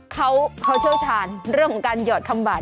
เค้าโชชานเรื่องการหยอดคำหวาน